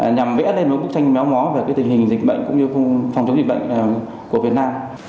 nhằm vẽ lên một bức tranh méo mó về tình hình dịch bệnh cũng như phòng chống dịch bệnh của việt nam